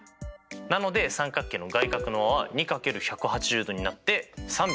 なので三角形の外角の和は２×１８０°になって３６０°です。